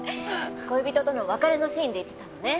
恋人との別れのシーンで言ってたのね。